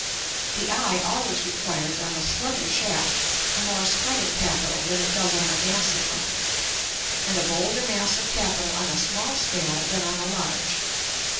The eye always requires, on a slender shaft, a more spreading capital than it does on a massy one, and a bolder mass of capital on a small scale than on a large.